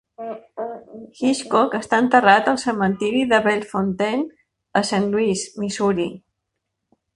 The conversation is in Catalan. Hitchcock està enterrat al cementiri de Bellefontaine a Saint Louis, Missouri.